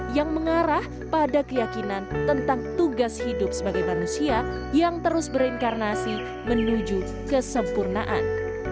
yang mengarah pada keyakinan tentang tugas hidup sebagai manusia yang terus berinkarnasi menuju kesempurnaan